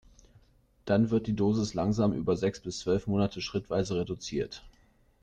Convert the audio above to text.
Dann wird die Dosis langsam über sechs bis zwölf Monate schrittweise reduziert.